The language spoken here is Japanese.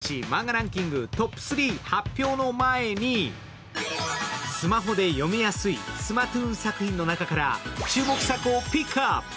ブランチマンガランキングトップ３発表の前にスマホで読みやすいスマトゥーン作品の中から注目作をピックアップ！